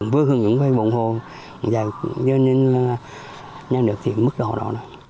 vừa hưởng những vệ bộng hồ giờ nên là nhà nước thì mức đỏ đỏ rồi